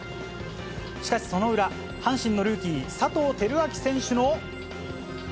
しかしその裏、阪神のルーキー、佐藤輝明選手の。